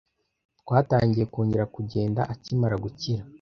Twatangiye kongera kugenda akimara gukira.